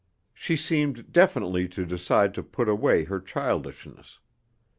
She seemed definitely to decide to put away her childishness.